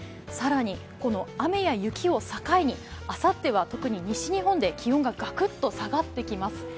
更に、雨や雪を境にあさっては特に西日本で気温がガクッと下がってきます。